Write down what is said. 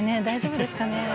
大丈夫ですかね？